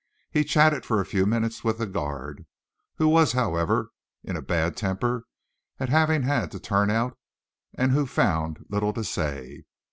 He chatted for a few minutes with the guard, who was, however, in a bad temper at having had to turn out and who found little to say.